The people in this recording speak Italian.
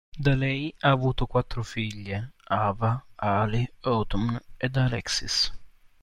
Da lei ha avuto quattro figlie, Ava, Ali, Autumn ed Alexis.